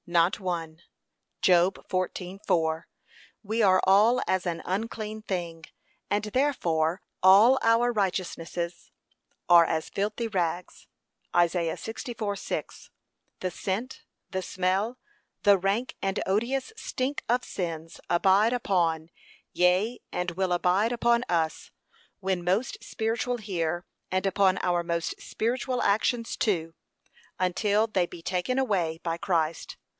not one.'( Job 14:4) 'We are all as an unclean thing, and' therefore 'all our righteousnesses are as filthy rags.' (Isa. 64:6) The scent, the smell, the rank and odious stink of sins abide upon, yea, and will abide upon us, when most spiritual here, and upon our most spiritual actions too, until they be taken away by Christ.